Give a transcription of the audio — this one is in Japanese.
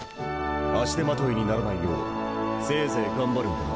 足手まといにならないようせいぜい頑張るんだな。